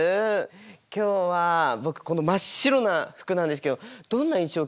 今日は僕この真っ白な服なんですけどどんな印象を受けますか？